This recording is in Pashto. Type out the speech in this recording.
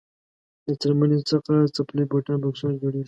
له څرمنې څخه څپلۍ بوټان بکسونه جوړیږي.